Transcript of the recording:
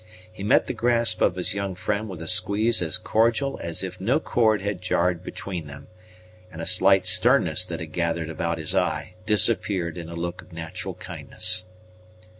He met the grasp of his young friend with a squeeze as cordial as if no chord had jarred between them, and a slight sternness that had gathered about his eye disappeared in a look of natural kindness.